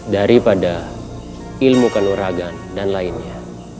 daripada ilmu kanoragan dan lainnya